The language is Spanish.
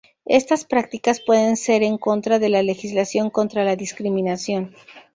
Estas prácticas pueden ser en contra de la legislación contra la discriminación.